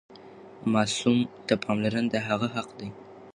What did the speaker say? ماسوم ته پاملرنه د هغه حق دی.